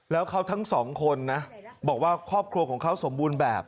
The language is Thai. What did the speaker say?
แล้วเขาทั้งสองคนนะบอกว่าครอบครัวของเขาสมบูรณ์แบบ